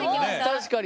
確かに。